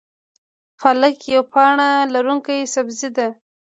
پالک یوه پاڼه لرونکی سبزی ده